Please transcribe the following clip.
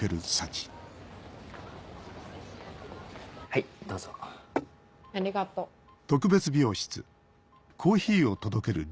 はいどうぞ。ありがと。